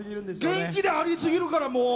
元気でありすぎるからもう！